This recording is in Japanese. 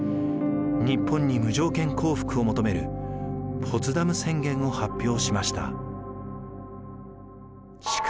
日本に無条件降伏を求めるポツダム宣言を発表しました。